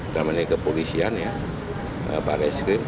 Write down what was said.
namanya kepolisian ya para eskrim